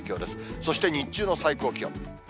そして日中の最高気温。